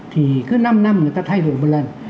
thì cứ năm năm người ta thay đổi một lần